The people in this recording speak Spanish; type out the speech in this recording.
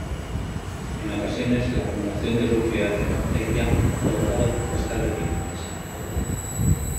En ocasiones, la acumulación de suciedad en la acequia ha provocado protestas vecinales.